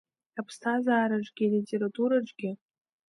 Аԥсҭазаараҿгьы алитератураҿгьы?